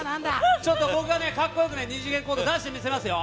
ちょっと、僕がね、かっこうよく２次元コード、出してみせますよ。